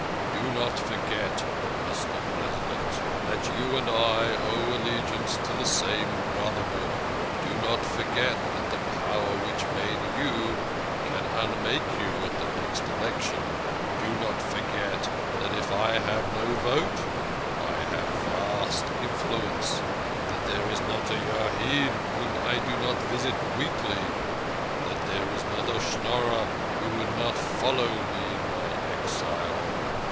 " Do not forget, Mr. President, that you and I owe allegiance to the same brotherhood. Do not forget that the power which made you can unmake you at the next election ; do not forget that if I have no vote I have vast influence ; that there is not a Yahid whom I do not visit weekly ; that there is not a Schnorrer who would not follow me in my exile.